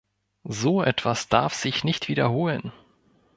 So etwas darf sich nicht wiederholen!